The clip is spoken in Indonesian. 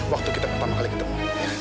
waktu kita pertama kali ketemu